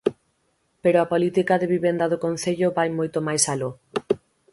Pero a política de vivenda do concello vai moito máis aló.